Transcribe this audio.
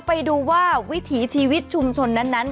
ไปดูว่าวิถีชีวิตชุมชนนั้น